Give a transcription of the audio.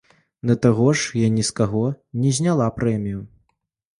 Да таго ж, я ні з каго не зняла прэмію.